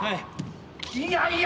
いやいや。